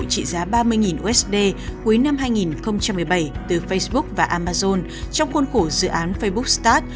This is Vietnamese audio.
trị giá ba mươi usd cuối năm hai nghìn một mươi bảy từ facebook và amazon trong khuôn khổ dự án facebook start